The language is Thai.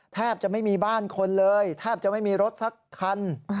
แทบจะไม่มีบ้านคนเลยแทบจะไม่มีรถสักคัน